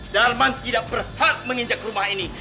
darman tidak berhak menginjak rumah ini